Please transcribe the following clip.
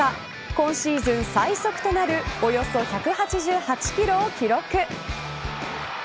今シーズン最速となるおよそ１８８キロを記録。